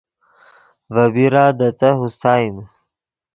ڤے بیرا دے تہہ اوستائیم